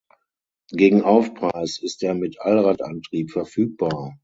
Gegen Aufpreis ist er mit Allradantrieb verfügbar.